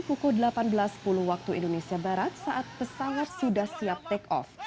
pukul delapan belas sepuluh waktu indonesia barat saat pesawat sudah siap take off